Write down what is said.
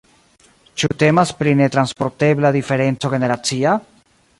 Ĉu temas pri netranspontebla diferenco generacia?